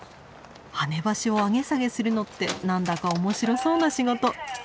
跳ね橋を上げ下げするのって何だか面白そうな仕事。